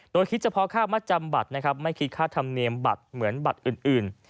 โดยคิดเฉพาะค่ามัดจำบัตรนะครับไม่คิดค่าธรรมเนียมบัตรเหมือนบัตรอื่น